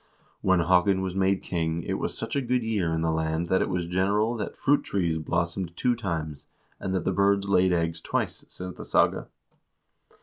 "When Haakon was made king it was such a good year in the land that it was general that fruit trees blossomed two times, and that the birds laid eggs twice," says the saga.